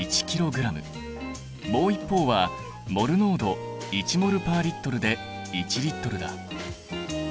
もう一方はモル濃度１ｍｏｌ／Ｌで１Ｌだ。